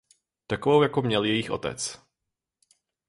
Takovou jakou měl jejich otec.